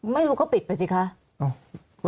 ไม่รู้ก็ปิดไปสิคะ